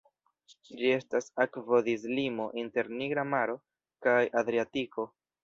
Ĝi estas akvodislimo inter Nigra Maro kaj Adriatiko.